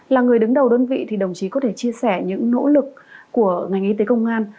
là người đứng đầu đơn vị thì đồng chí có thể chia sẻ những nỗ lực của ngành y tế công an